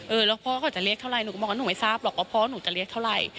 แล้วพ่อเขาจะเรียกเท่าไรหนูก็บอกว่าหนูไม่ทราบหรอกว่าพ่อหนูจะเรียกเท่าไหร่